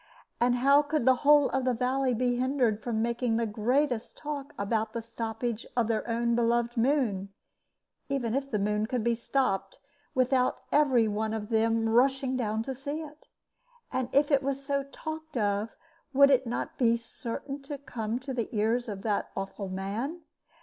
And how could the whole of the valley be hindered from making the greatest talk about the stoppage of their own beloved Moon, even if the Moon could be stopped without every one of them rushing down to see it? And if it was so talked of, would it not be certain to come to the ears of that awful man?